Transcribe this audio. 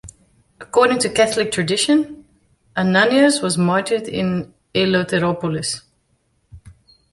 According to Catholic tradition, Ananias was martyred in Eleutheropolis.